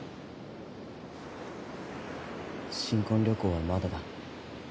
新婚旅行はまだだ。